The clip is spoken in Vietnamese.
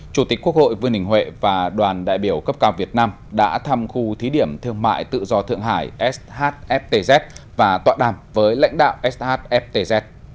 chủ tịch quốc hội vương đình huệ và đoàn đại biểu cấp cao việt nam đã thăm khu thí điểm thương mại tự do thượng hải shftz và tọa đàm với lãnh đạo shftz